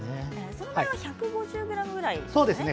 生の場合は１５０ｇぐらいですね。